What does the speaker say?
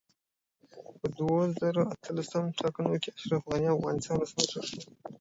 په دوه زره اتلسم ټاکنو کې اشرف غني دا افغانستان اولسمشر شو